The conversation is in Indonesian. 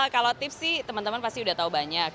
kalau tips sih teman teman pasti udah tahu banyak